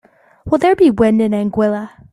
Will there be wind in Anguilla?